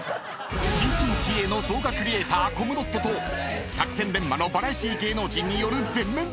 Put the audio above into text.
［新進気鋭の動画クリエーターコムドットと百戦錬磨のバラエティー芸能人による全面対決！］